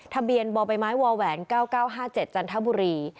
ทะเบียนบมว๙๙๕๗จันทบุรี